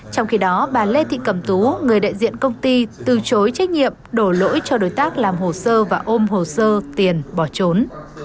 trong khi đó bà lê thị cầm tú người đại diện công ty từ chối trách nhiệm đổ lỗi cho đối tác làm hồ sơ và ôm hồ sơ tiền bỏ trốn